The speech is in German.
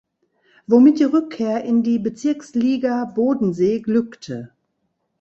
Womit die Rückkehr in die "Bezirksliga Bodensee" glückte.